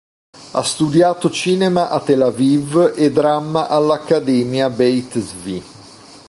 Ha studiato cinema a Tel Aviv e dramma all'accademia Beit Zvi.